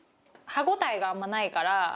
歯応えがあんまないから。